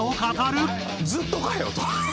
「ずっとかよ！」と。